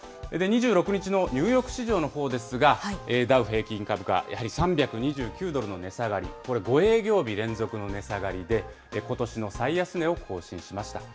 ２６日のニューヨーク市場のほうですが、ダウ平均株価、やはり３２９ドルの値下がり、これ５営業日連続の値下がりで、ことしの最安値を更新しました。